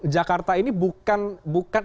jakarta ini bukan